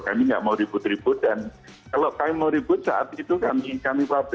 kami nggak mau ribut ribut dan kalau kami mau ribut saat itu kami publik